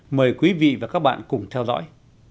mời quý vị và các bạn cùng theo dõi